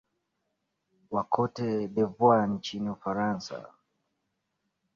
wa cote de voire nchini ufaransa